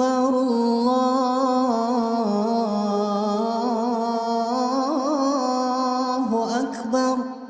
allahu akbar allahu akbar